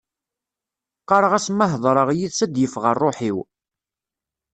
Qqareɣ-as ma hedreɣ yid-s ad yeffeɣ rruḥ-iw.